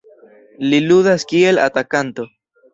Li ludas kiel atakanto.